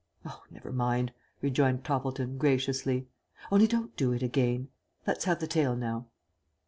"Oh, never mind," rejoined Toppleton, graciously. "Only don't do it again. Let's have the tale now."